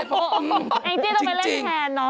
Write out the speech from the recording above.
แอ้งจี้ต้องไปเล่นแทนเหรอจริงจริง